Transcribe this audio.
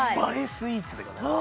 スイーツでございます